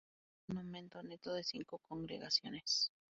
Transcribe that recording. Esto representa un aumento neto de cinco congregaciones.